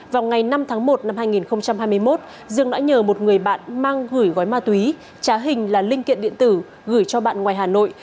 vào ngày năm tháng một năm hai nghìn hai mươi một dương đã nhờ một người bạn mang gửi gói ma túy trá hình là linh kiện điện tử gửi cho bạn ngoài hà nội